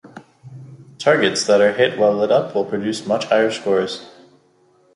Targets that are hit while lit up will produce much higher scores.